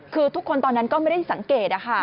คือทุกคนตอนนั้นก็ไม่ได้สังเกต